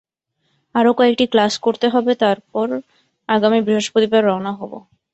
আরও কয়েকটি ক্লাস করতে হবে, তারপর আগামী বৃহস্পতিবার রওনা হব।